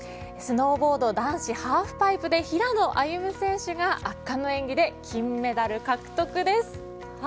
スノーボード男子ハーフパイプで平野歩夢選手が圧巻の演技で金メダル獲得です。